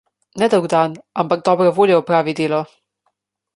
Ne dolg dan, ampak dobra volja opravi delo.